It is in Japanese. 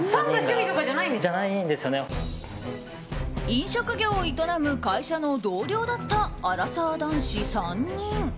飲食業を営む会社の同僚だったアラサー男子３人。